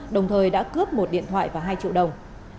đồng thời đã cướp một điện thoại và hai triệu đồng